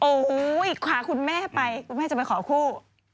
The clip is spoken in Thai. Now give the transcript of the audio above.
โอ้โหขวาคุณแม่ไปคุณแม่จะไปขอคู่